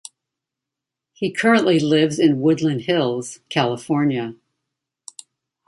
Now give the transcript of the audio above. He currently lives in Woodland Hills, California.